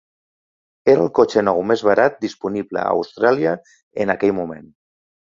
Era el cotxe nou més barat disponible a Austràlia en aquell moment.